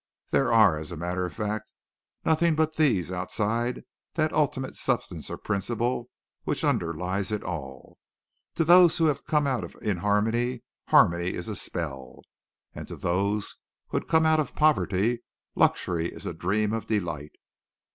There are, as a matter of fact, nothing but these outside that ultimate substance or principle which underlies it all. To those who have come out of inharmony, harmony is a spell, and to those who have come out of poverty, luxury is a dream of delight.